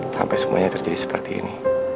sampai semuanya terjadi seperti ini